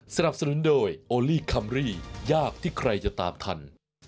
สนับสนุนโดยโอลี่คัมรี่ยากที่ใครจะตามทัน